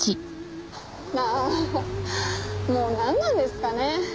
ああもうなんなんですかね。